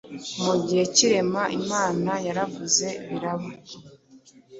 Mu gihe cy’irema, Imana yaravuze biraba,